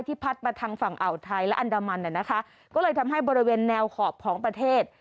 พัดมาทางฝั่งอ่าวไทยและอันดามันนะคะก็เลยทำให้บริเวณแนวขอบของประเทศ